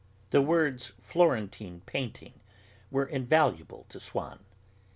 The words 'Florentine painting' were invaluable to Swann.